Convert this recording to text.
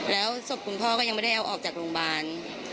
แล้วศพคุณพ่อก็ยังไม่ได้เอาออกจากโรงพยาบาล